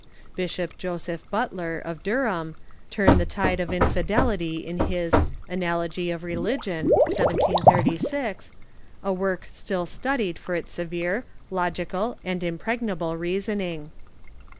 Bishop Joseph Butler, of Durham, turned the tide of infidelity in his "Anal ogy of Religion" (1736), a work still studied for its severe, logical, and impregnable reasoning.